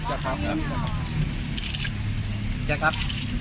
แจ๊กครับแจ๊กครับ